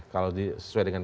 tidak ada pencabut begitu ya